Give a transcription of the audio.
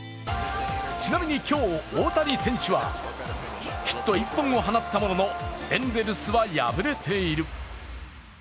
ちなみに今日、大谷選手はヒット１本を放ったものの、エンゼルスは敗れている。